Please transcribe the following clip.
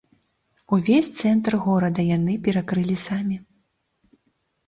Увесь цэнтр горада яны перакрылі самі!